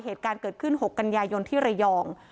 เหตุการณ์เกิดขึ้น๖กันยายนที่ระยอง